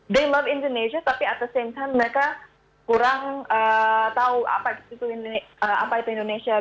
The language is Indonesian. they love indonesia tapi at the same time mereka kurang tahu apa itu indonesia